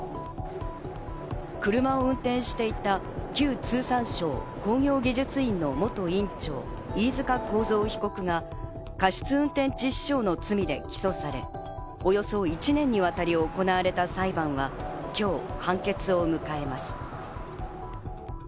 車を運転していた旧通産省工業技術院の元委員長・飯塚幸三被告が過失運転致死傷の罪で起訴され、およそ１年にわたり行われた裁判は、今日判決を迎えます。